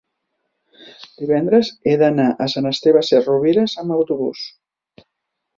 divendres he d'anar a Sant Esteve Sesrovires amb autobús.